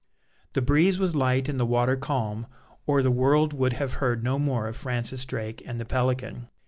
The breeze was light and the water calm, or the world would have heard no more of Francis Drake and the Pelican.